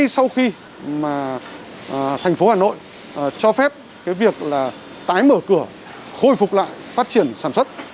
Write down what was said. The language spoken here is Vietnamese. sau khi mà thành phố hà nội cho phép việc tái mở cửa khôi phục lại phát triển sản xuất